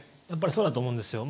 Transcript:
やっぱりそうだと思います。